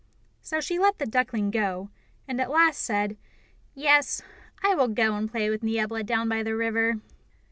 So she let the duckling go, and at last she said, "Yes, I will go and play with Niebla down by the river."